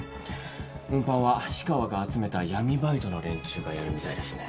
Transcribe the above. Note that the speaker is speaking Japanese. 運搬は氷川が集めた闇バイトの連中がやるみたいですね。